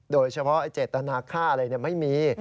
โดยเฉพาะเจตนาค่าอะไรไม่มี